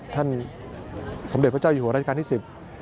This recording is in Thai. ท่านสำเด็จพระเจ้าอยู่หัวรัชกาลที่๑๐